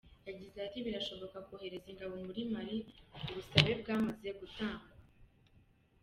Yagize ati “Birashoboka kohereza ingabo muri Mali, ubusabe bwamaze gutangwa.